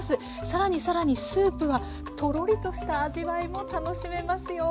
更に更にスープはトロリとした味わいも楽しめますよ。